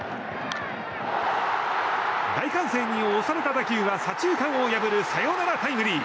大歓声に押された打球は左中間を破るサヨナラタイムリー！